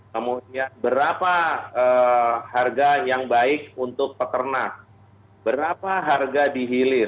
kemudian berapa harga yang baik untuk peternak berapa harga dihilir